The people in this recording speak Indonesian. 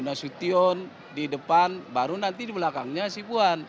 nasution di depan baru nanti di belakangnya sipuan